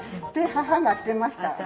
母がしてました。